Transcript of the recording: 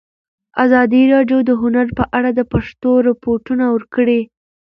ازادي راډیو د هنر په اړه د پېښو رپوټونه ورکړي.